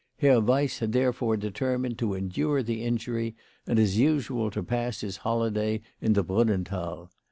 Herr Weiss had therefore deter mined to endure the injury, and as usual to pass his holiday in the Brunnenthal.